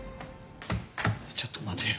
ちょっと待てよ。